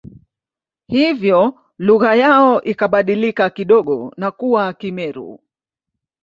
Hivyo lugha yao ikabadilika kidogo na kuwa Kimeru